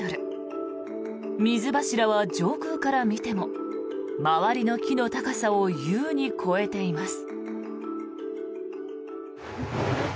水柱は上空から見ても周りの木の高さを優に超えています。